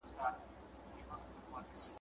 یوه ورځ یې پر چینه اوبه چښلې `